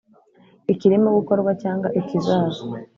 ikirimo gukorwa cyangwa ikizaza